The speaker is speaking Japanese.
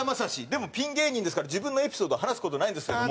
でもピン芸人ですから自分のエピソードを話す事ないんですけども。